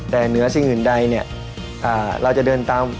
แต่เหนือสิ่งอื่นใดเนี่ยเราจะเดินตาม